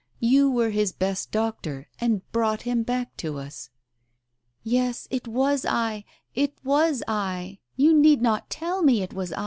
You were his best doctor, and brought him back to us." "Yes, it was I — it was I — you need not tell me it was I